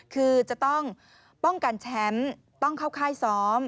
คือจะต้องป้องกันแชมป์ต้องเข้าค่ายซ้อม